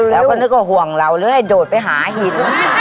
แล้วก็นึกว่าห่วงเราเลยโดดไปหาหิน